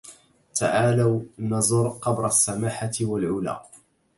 تعالوا نزر قبر السماحة والعلى